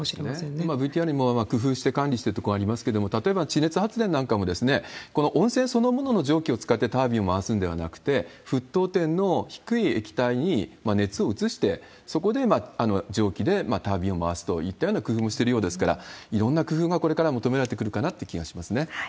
今ＶＴＲにも工夫して管理している所ありますけれども、例えば地熱発電なんかも、この温泉そのものの蒸気を使ってタービンを回すんではなくて、沸騰点の低い液体に熱を移して、そこで蒸気でタービンを回すといったような工夫もしているようですから、いろんな工夫がこれから求められてくるかなって気がしますね。